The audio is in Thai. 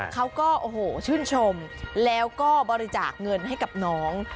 เขาก็โอ้โหชื่นชมแล้วก็บริจาคเงินให้กับน้อง